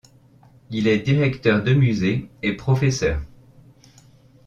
Il est directeur de musée et professeur.